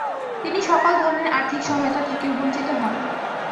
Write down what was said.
তিনি সকল ধরনের আর্থিক সহায়তা থেকেও বঞ্চিত হন।